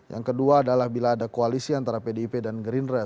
yang kedua adalah bila ada koalisi antara pdip dan gerindra